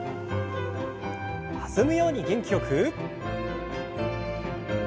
弾むように元気よく。